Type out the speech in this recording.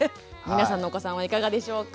皆さんのお子さんはいかがでしょうか？